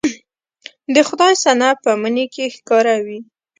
د خدای صنع په مني کې ښکاره وي